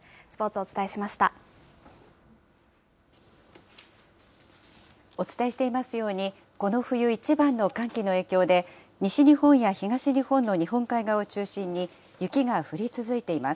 お伝えしていますように、この冬一番の寒気の影響で、西日本や東日本の日本海側を中心に雪が降り続いています。